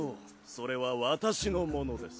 それは私のものです。